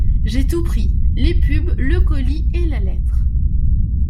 J’ai tout pris, les pubs, le colis et la lettre.